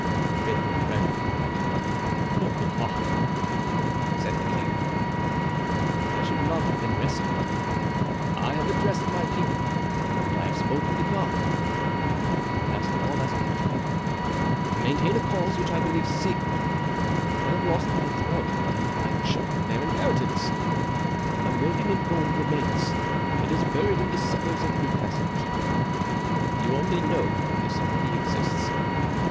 "Faithful friend, noble heart!" said the king, "I should not have been rescued. I have addressed my people and I have spoken to God; last of all I speak to you. To maintain a cause which I believed sacred I have lost the throne and my children their inheritance. A million in gold remains; it is buried in the cellars of Newcastle Keep. You only know that this money exists.